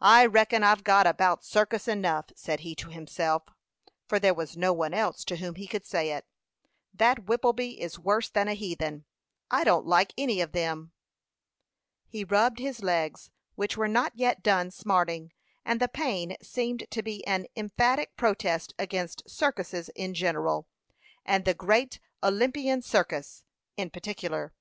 "I reckon I've got about circus enough," said he to himself, for there was no one else to whom he could say it. "That Whippleby is worse than a heathen. I don't like any of them." He rubbed his legs, which were not yet done smarting; and the pain seemed to be an emphatic protest against circuses in general, and the "Great Olympian Circus" in particular.